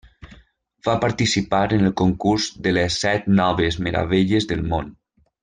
Va participar en el concurs de les Set noves meravelles del món.